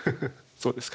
そうですか。